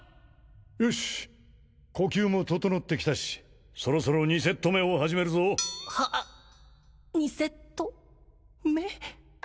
よし呼吸も整ってきたしそろそろ２セット目を始めるぞは２セット目？